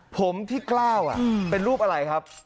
ผมที่กล้าวเป็นรูปอะไรครับ